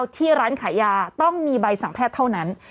ที่ร้านขายยาต้องมีใบสั่งแพทย์เท่านั้น